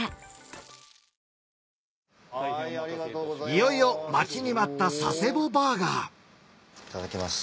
いよいよ待ちに待った佐世保バーガーいただきます。